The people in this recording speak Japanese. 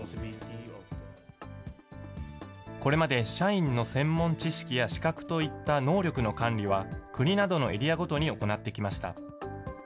これまで社員の専門知識や資格といった能力の管理は、国などのエリアごとに行ってきました。